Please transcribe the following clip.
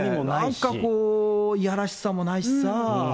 なんかこう、いやらしさもないしさ。